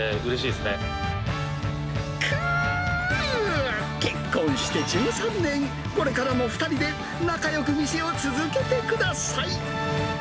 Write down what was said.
くー、結婚して１３年、これからも２人で仲よく店を続けてください。